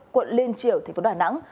quận liên triều tp đà nẵng